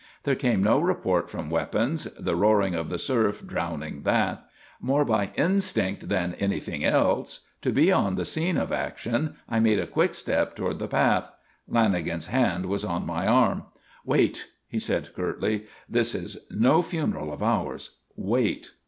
There came no report from weapons, the roaring of the surf drowning that. More by instinct than anything else to be on the scene of action, I made a quick step toward the path. Lanagan's hand was on my arm. "Wait," he said, curtly. "This is no funeral of ours. Wait."